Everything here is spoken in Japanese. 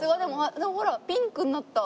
でもほらピンクになった。